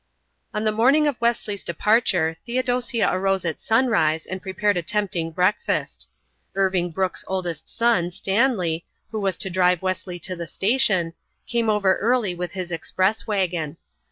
On the morning of Wesley's departure Theodosia arose at sunrise and prepared a tempting breakfast. Irving Brooke's oldest son, Stanley, who was to drive Wesley to the station, came over early with his express wagon.